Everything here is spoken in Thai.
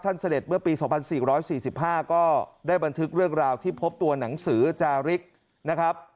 ท่านเสด็จเมื่อปีสองพันสี่ร้อยสี่สิบห้าก็ได้บันทึกเรื่องราวที่พบตัวหนังสือจาฤกษ์นะครับ